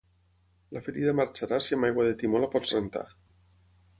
La ferida marxarà si amb aigua de timó la pots rentar.